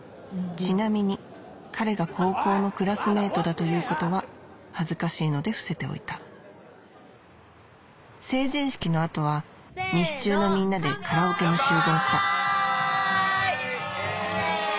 ちなみに彼が高校のクラスメートだということは恥ずかしいので伏せておいた成人式の後は西中のみんなでカラオケに集合したイェイ！